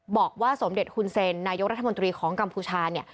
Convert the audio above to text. บอกว่าสมเด็จฮุนเซนนายกรัฐมนตรีของกัมพูชาเนี่ย